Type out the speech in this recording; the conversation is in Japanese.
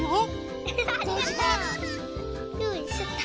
よいしょっと。